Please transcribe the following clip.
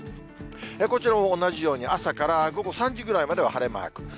こちらも同じように朝から午後３時ぐらいまでは晴れマーク。